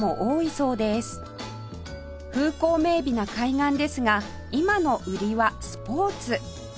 風光明媚な海岸ですが今の売りはスポーツ